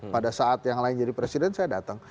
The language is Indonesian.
pada saat yang lain jadi presiden saya datang